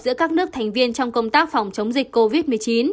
giữa các nước thành viên trong công tác phòng chống dịch covid một mươi chín